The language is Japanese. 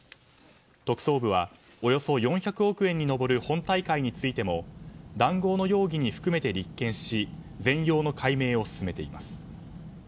特捜部はおよそ４００億円に上る本大会についても談合の容疑に含めて立件し全容の解明を進めています。